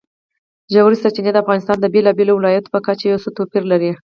ژورې سرچینې د افغانستان د بېلابېلو ولایاتو په کچه یو څه توپیر لري.